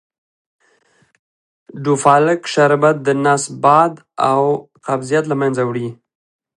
ډوفالک شربت دنس باد او قبضیت له منځه وړي .